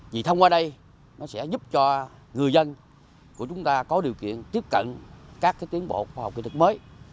vì thông qua đây nó sẽ giúp cho người dân của chúng ta có điều kiện tiếp cận các tiến bộ khoa học kỹ thuật mới